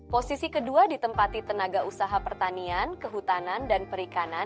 posisi kedua ditempati tenaga usaha pertanian kehutanan dan perikanan